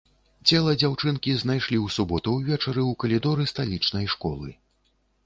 Цела дзяўчынкі знайшлі ў суботу ўвечары ў калідоры сталічнай школы.